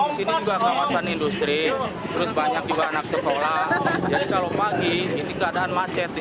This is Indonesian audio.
di sini juga kawasan industri terus banyak juga anak sekolah jadi kalau pagi ini keadaan macet di